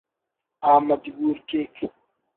آ مجبور کیک